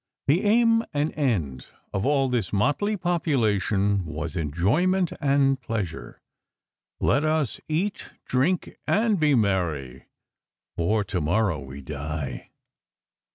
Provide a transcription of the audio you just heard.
The aim and end of all this motley population was enjoyment and pleasure: " Let us eat, drink, and be merry, for to morrow we die."